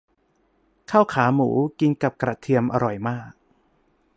ข้าวขาหมูกินกับกระเทียมอร่อยมาก